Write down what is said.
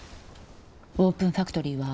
オープンファクトリーは？